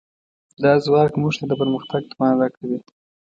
دا ځواک موږ ته د پرمختګ توان راکوي.